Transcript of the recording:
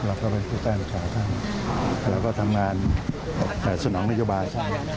แล้วก็ทำงานสนองนิยบาล